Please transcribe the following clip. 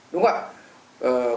đúng không ạ